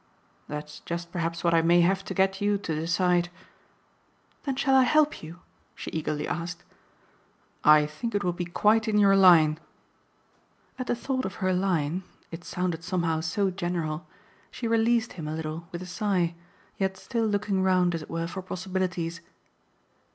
"That's just perhaps what I may have to get you to decide." "Then shall I help you?" she eagerly asked. "I think it will be quite in your line." At the thought of her line it sounded somehow so general she released him a little with a sigh, yet still looking round, as it were, for possibilities.